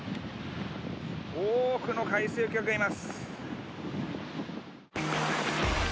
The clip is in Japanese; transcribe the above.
多くの海水浴客がいます。